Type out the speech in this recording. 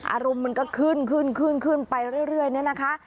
อารมณ์มันก็ขึ้นไปเรื่อยเนี่ยนะคะ